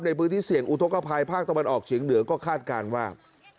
ในพื้นที่เสี่ยงอุทธกภัยภาคตะวันออกเฉียงเหนือก็คาดการณ์ว่า